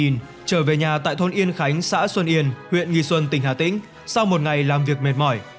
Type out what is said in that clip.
trở về nhà tại thôn yên khánh xã xuân yên huyện nghi xuân tỉnh hà tĩnh sau một ngày làm việc mệt mỏi